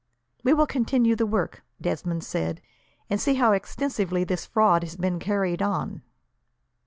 "We will continue the work," Desmond said, "and see how extensively this fraud has been carried on."